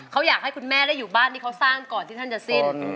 เขาอยากให้คุณแม่ได้อยู่บ้านที่เขาสร้างก่อนที่ท่านจะสิ้น